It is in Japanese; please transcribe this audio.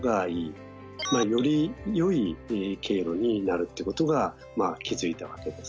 よりよい経路になるってことが気付いたわけです。